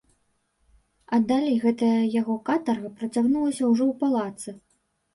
А далей гэтая яго катарга працягнулася ўжо ў палацы.